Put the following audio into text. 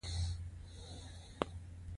خولۍ د جامو سره ستایل کېږي.